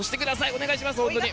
お願いします。